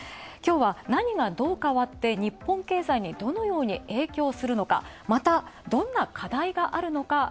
今日は何がどう変わって、日本経済にどのように影響するのかまた、どんな課題があるのか。